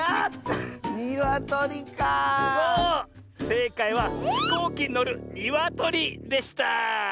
せいかいはひこうきにのるにわとりでした。